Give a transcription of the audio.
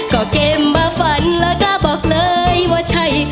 ก็เกมมาฝันแล้วก็บอกเลยว่าใช่